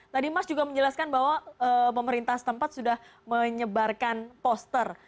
tadi mas juga menjelaskan bahwa pemerintah setempat sudah menyebarkan poster